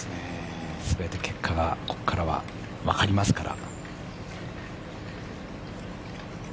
全て結果が、ここからは分かりますから。